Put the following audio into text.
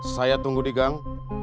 saya tunggu di gang